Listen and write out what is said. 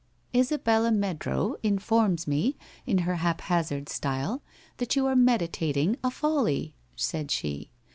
' [sabella Meadrow informs me, in her haphazard style, that you are meditating a lolly,' said she.